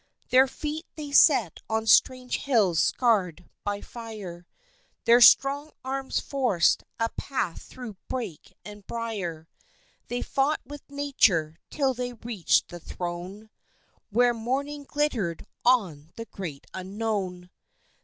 Their feet they set on strange hills scarred by fire, Their strong arms forced a path through brake and briar; They fought with Nature till they reached the throne Where morning glittered on the great UNKNOWN!